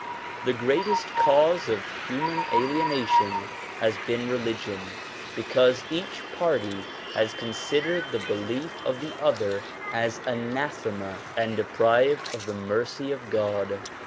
The greatest cause of human alienation has been religion because each party has con sidered the belief of the other as anathema and deprived of the mercy of God.